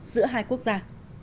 giữa hai quốc gia